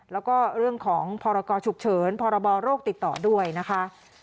แล้วก็เรื่องของพรกรฉุกเฉินพรบโรคติดต่อด้วยนะคะ